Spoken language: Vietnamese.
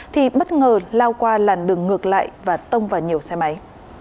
thì bất ngờ lao qua làn đường ngược lại và tông vào nhiều xe máy